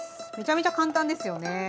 めちゃめちゃ簡単ですよね。